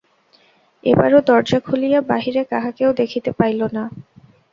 এবারও দরজা খুলিয়া বাহিরে কাহাকেও দেখিতে পাইল না।